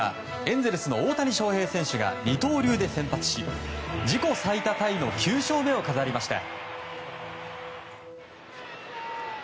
エンゼルスの大谷翔平選手が二刀流で先発し自己最多タイの９勝目を飾りました。